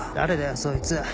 そいつ。